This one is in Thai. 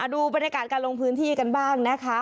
ดูบรรยากาศการลงพื้นที่กันบ้างนะคะ